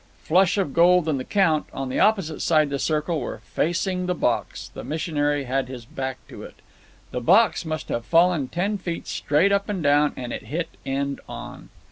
Flush of Gold and the Count, on the opposite side of the circle, were facing the box; the missionary had his back to it. The box must have fallen ten feet straight up and down, and it hit end on.